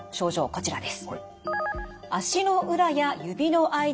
こちらです。